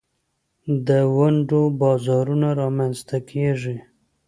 د ونډو بازارونه رامینځ ته کیږي.